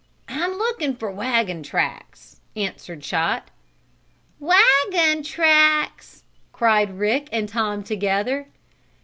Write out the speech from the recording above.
"I'm looking for wagon tracks," answered Chot. "Wagon tracks?" cried Rick and Tom together.